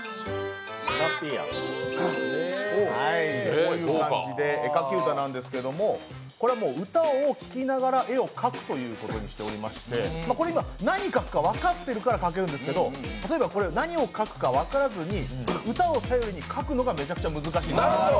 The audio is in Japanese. こういう感じで絵描き歌なんですが歌を聴きながら絵を描くということにしておりまして、今、何を描くか分かっているから描けるんですけど例えば何を描くか分からずに歌を頼りに描くのがめちゃくちゃ難しい。